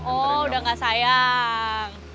oh udah gak sayang